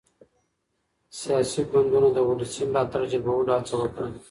سياسي ګوندونو د ولسي ملاتړ جلبولو هڅه وکړه.